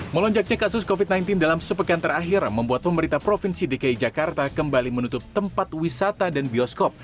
melonjaknya kasus covid sembilan belas dalam sepekan terakhir membuat pemerintah provinsi dki jakarta kembali menutup tempat wisata dan bioskop